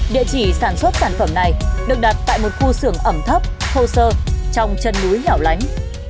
địa chỉ sản xuất sản phẩm này được đặt tại một khu xưởng ẩm thấp khô sơ trong chân núi hẻo lánh